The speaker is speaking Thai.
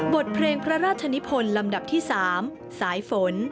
บทเพลงพระราชนิพลลำดับที่๓สายฝน